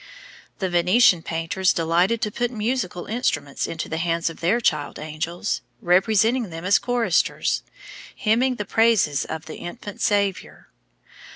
The Venetian painters delighted to put musical instruments into the hands of their child angels, representing them as choristers, hymning the praises of the infant Saviour.